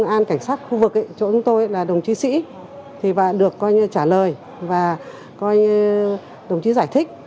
an cảnh sát khu vực chỗ chúng tôi là đồng chí sĩ thì được coi như trả lời và coi như đồng chí giải thích